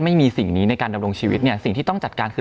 ไม่มีสิ่งนี้ในการดำรงชีวิตเนี่ยสิ่งที่ต้องจัดการคือ